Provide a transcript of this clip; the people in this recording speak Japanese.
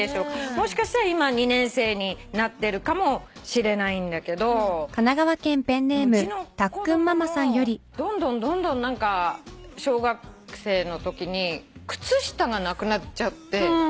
もしかしたら今２年生になってるかもしれないんだけどうちの子供もどんどんどんどん小学生のときに靴下がなくなっちゃって。